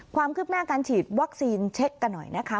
ความคืบหน้าการฉีดวัคซีนเช็คกันหน่อยนะคะ